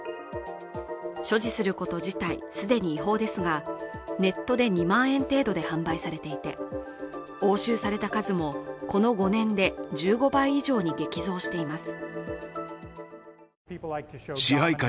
所持すること自体、既に違法ですがネットで２万円程度で販売されていて押収された数もこの５年で１５倍以上に激増しています。